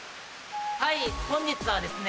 はい本日はですね